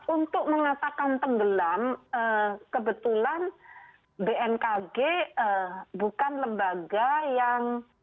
untuk mengatakan tenggelam kebetulan bmkg bukan lembaga yang